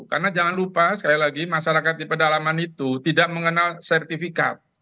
karena jangan lupa sekali lagi masyarakat di pedalaman itu tidak mengenal sertifikat